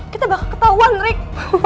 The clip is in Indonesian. kita bakal ketauan rick